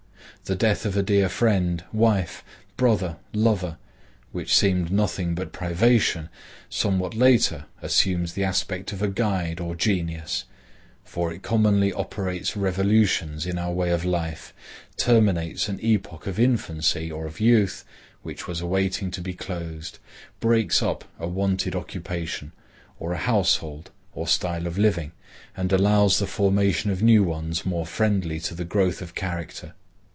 The death of a dear friend, wife, brother, lover, which seemed nothing but privation, somewhat later assumes the aspect of a guide or genius; for it commonly operates revolutions in our way of life, terminates an epoch of infancy or of youth which was waiting to be closed, breaks up a wonted occupation, or a household, or style of living, and allows the formation of new ones more friendly to the growth of character.